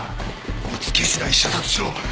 見つけしだい射殺しろ。